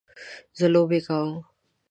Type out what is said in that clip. زه لوبې کوم